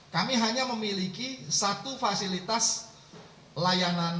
kami hanya memiliki satu fasilitas layanan test center